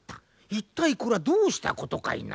一体これはどうしたことかいな。